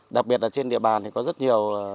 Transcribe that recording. đặc biệt là trên địa bàn có rất nhiều